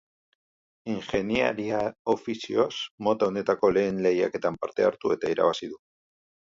Ingeniaria ofizioz, mota honetako lehen lehiaketan parte hartu eta irabazi du.